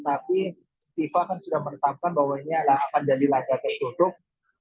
tapi fifa kan sudah menetapkan bahwa ini akan jadi laga tertutup